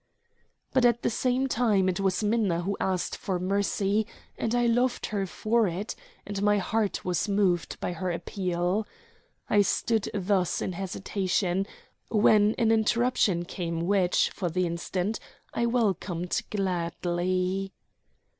But at the same time it was Minna who asked for mercy, and I loved her for it, and my heart was moved by her appeal. I stood thus in hesitation, when an interruption came which, for the instant, I welcomed gladly.